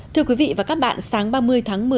thưa quý vị và các bạn sáng ba mươi tháng một mươi